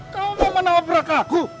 kau mau menabrak aku